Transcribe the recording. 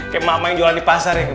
kayak mama yang jualan di pasar ya